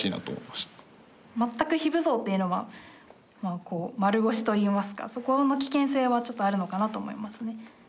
全く非武装というのは丸腰といいますかそこの危険性はちょっとあるのかなと思いますね。